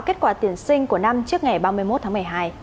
kết quả tuyển sinh của năm trước ngày ba mươi một tháng một mươi hai